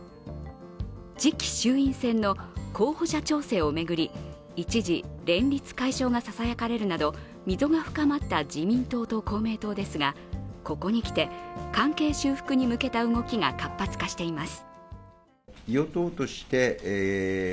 次期衆院選の候補者調整を巡り、一時、連立解消がささやかれるなど溝が深まった自民党と公明党ですが、ここにきて関係修復に向けた動きが活発化しています。